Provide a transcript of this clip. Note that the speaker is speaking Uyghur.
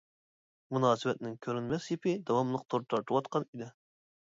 مۇناسىۋەتنىڭ كۆرۈنمەس يىپى داۋاملىق تور تارتىۋاتقان ئىدى.